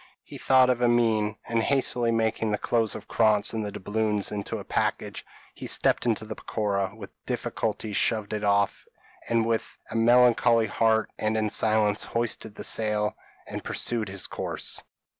He thought of Amine; and hastily making the clothes of Krantz and the doubloons into a package, he stepped into the peroqua, with difficulty shoved it off, and with a melancholy heart, and in silence, hoisted the sail, and pursued his course.